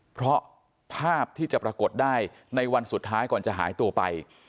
เพราะภาพที่จะปรากฏได้ในวันสุดท้ายก่อนจะหายตัวไป